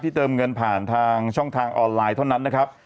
เติมเงินผ่านทางช่องทางออนไลน์เท่านั้นนะครับ